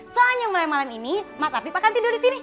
soalnya mulai malam ini mas afif akan tidur disini